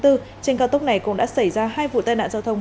trên cao tốc này cũng đã xảy ra hai vụ tai nạn giao thông